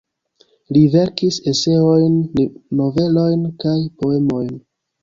Li verkis eseojn, novelojn kaj poemojn.